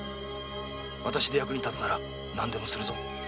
私で役に立つなら何でもするぞ。